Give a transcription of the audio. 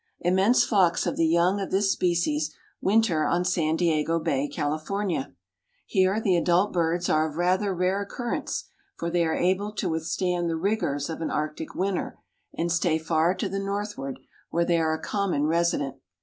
Immense flocks of the young of this species winter on San Diego Bay, California. Here the adult birds are of rather rare occurrence for they are able to withstand the rigors of an arctic winter and stay far to the northward where they are a common resident.